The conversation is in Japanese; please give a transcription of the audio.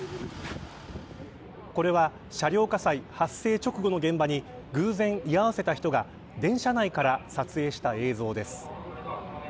これは、車両火災発生直後の現場に偶然、居合わせた人が電車内から撮影した映像です。